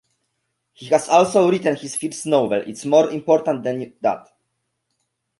He has also written his first novel, It's More Important Than That.